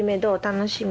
楽しみ？